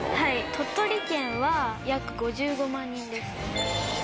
鳥取県は約５５万人です。